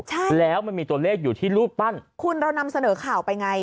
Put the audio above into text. ใช่แล้วมันมีตัวเลขอยู่ที่รูปปั้นคุณเรานำเสนอข่าวไปไง